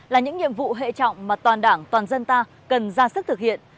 là những nhiệm vụ hệ trọng mà toàn đảng toàn dân ta cần ra sức thực hiện